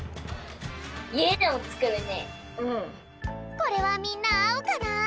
これはみんなあうかな？